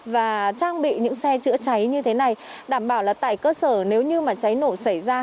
và trang bị những xe trịa trái như thế này đảm bảo là tại cơ sở nếu như mà trái nổ xảy ra